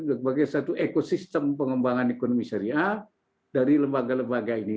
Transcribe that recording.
sebagai satu ekosistem pengembangan ekonomi syariah dari lembaga lembaga ini